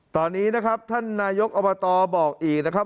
ตอนนี้นะครับท่านนายกอบตบอกอีกนะครับ